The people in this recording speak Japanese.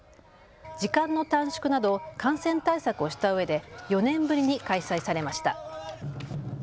時間の短縮など感染対策をしたうえで４年ぶりに開催されました。